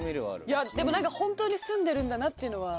いやでも何か本当に住んでるんだなっていうのは。